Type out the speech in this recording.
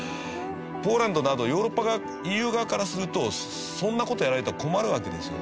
ポーランドなどヨーロッパ側ＥＵ側からするとそんな事やられたら困るわけですよね。